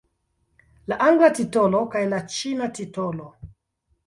La angla titolo kaj la ĉina titolo.